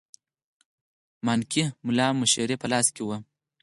مانکي مُلا مشري په لاس کې وه.